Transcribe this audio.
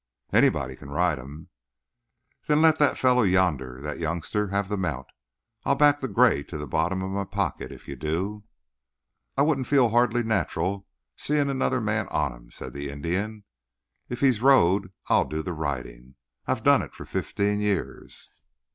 "Anybody can ride him." "Then let that fellow yonder that youngster have the mount. I'll back the gray to the bottom of my pocket if you do." "I wouldn't feel hardly natural seeing another man on him," said the Indian. "If he's rode I'll do the riding. I've done it for fifteen years."